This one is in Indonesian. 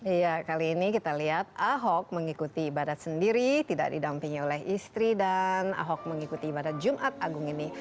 iya kali ini kita lihat ahok mengikuti ibadat sendiri tidak didampingi oleh istri dan ahok mengikuti ibadat jumat agung ini